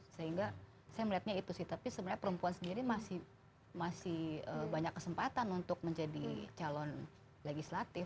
sehingga saya melihatnya itu sih tapi sebenarnya perempuan sendiri masih banyak kesempatan untuk menjadi calon legislatif